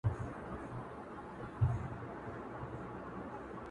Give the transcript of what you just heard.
• ومي د سترګو نګهبان لکه باڼه ملګري..